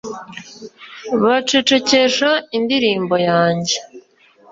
baracecekesha indirimbo yanjye,